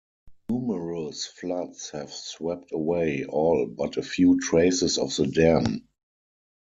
Numerous floods have swept away all but a few traces of the dam.